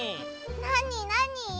なになに？